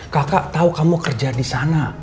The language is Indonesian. kakak tahu kamu kerja di sana